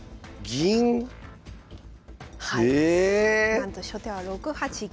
なんと初手は６八銀。